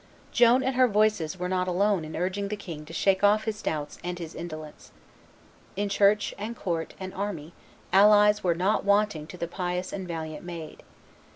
Joan and her voices were not alone in urging the king to shake off his doubts and his indolence. In church, and court, and army, allies were not wanting to the pious and valiant maid.